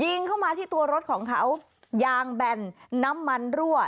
เข้ามาที่ตัวรถของเขายางแบนน้ำมันรั่ว